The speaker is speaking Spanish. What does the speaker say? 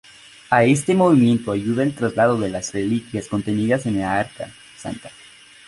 A este movimiento ayuda el traslado de las reliquias contenidas en el Arca Santa.